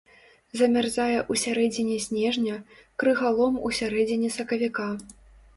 Замярзае ў сярэдзіне снежня, крыгалом у сярэдзіне сакавіка.